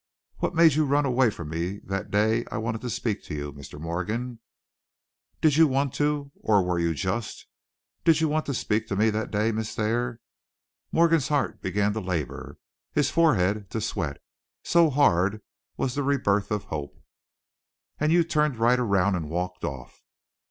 "What made you run away from me that day I wanted to speak to you, Mr. Morgan?" "Did you want to, or were you just did you want to speak to me that day, Miss Thayer?" Morgan's heart began to labor, his forehead to sweat, so hard was the rebirth of hope. "And you turned right around and walked off!"